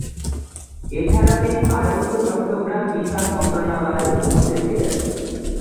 এছাড়াও তিনি পার্বত্য চট্টগ্রাম বিষয়ক মন্ত্রণালয়ের উপমন্ত্রী ছিলেন।